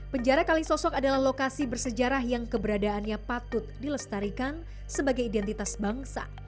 penjara kalisosok adalah lokasi bersejarah yang keberadaannya patut dilestarikan sebagai identitas bangsa